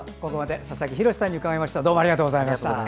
ここまで佐々木洋さんに伺いました。